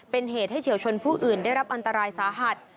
เป็นเหตุให้เฉียวชนผู้อื่นได้รับอันตรายสาหัส